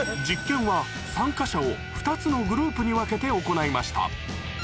実験は参加者を２つのグループに分けて行いました